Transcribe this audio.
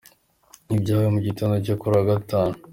Ibi byabaye mu gitondo cyo kuri uyu wa Gatanu.